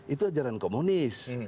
itu ajaran komunis